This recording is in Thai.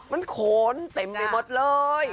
มันโขนเต็มไปหมดเลย